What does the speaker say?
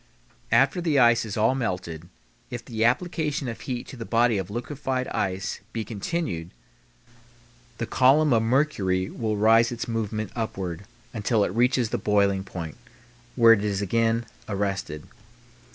After the ice is all melted, if the application of heat to the body of liquefied ice be continued, the column of mercury will resume its movement upward until it reaches the boiling point, where it is again arrested.